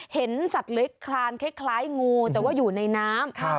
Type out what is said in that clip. เห็นสัตว์เล็กคลานคล้ายงูแต่ว่าอยู่ในน้ำ